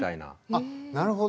あっなるほど。